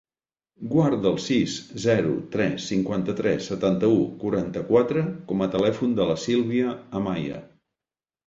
Guarda el sis, zero, tres, cinquanta-tres, setanta-u, quaranta-quatre com a telèfon de la Sílvia Amaya.